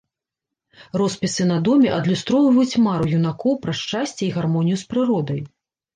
Роспісы на доме адлюстроўваюць мару юнакоў пра шчасце і гармонію з прыродай.